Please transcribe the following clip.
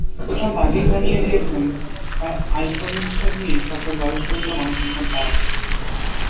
Trump আগেই জানিয়ে দিয়েছেন, তাঁর আয়করের হিসাব নিয়ে সরকারের রাজস্ব বিভাগ অনুসন্ধান চালাচ্ছে।